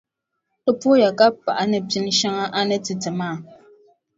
Ti puhiya ka paɣi ni pinʼ shɛŋa a ni ti ti maa.